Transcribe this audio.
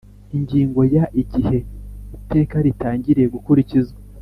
Ingingo ya igihe iteka ritangiriye gukurikizwa